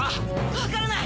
分からない。